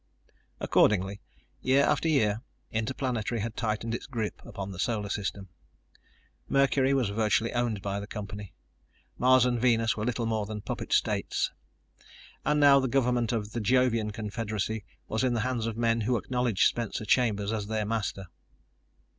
Accordingly, year after year, Interplanetary had tightened its grip upon the Solar System. Mercury was virtually owned by the company. Mars and Venus were little more than puppet states. And now the government of the Jovian confederacy was in the hands of men who acknowledged Spencer Chambers as their master.